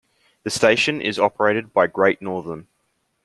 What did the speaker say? The station is operated by Great Northern.